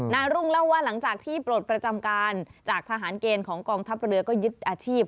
รุ่งเล่าว่าหลังจากที่ปลดประจำการจากทหารเกณฑ์ของกองทัพเรือก็ยึดอาชีพ